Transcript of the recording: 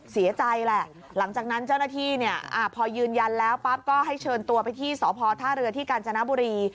เสียใจแหละหลังจากนั้นเจ้าหน้าที่เนี่ยพอยืนยันแล้วปั๊บก็ให้เชิญตัวไปที่สพท่าเรือที่กาญจนบุรี